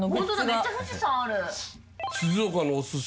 めっちゃ富士山ある。